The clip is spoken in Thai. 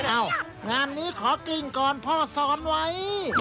งานนี้ขอกลิ้งก่อนพ่อสอนไว้